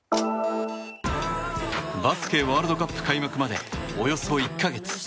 バスケットワールドカップ開幕まで、およそ１か月。